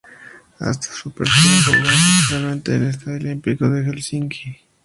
Hasta su apertura jugó temporalmente en el Estadio Olímpico de Helsinki.